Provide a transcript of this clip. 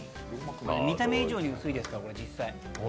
見た目以上に薄いですから。